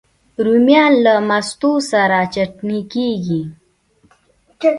رومیان له مستو سره چټني کېږي